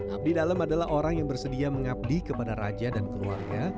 abdi dalem adalah orang yang bersedia mengabdi kepada raja dan keluarga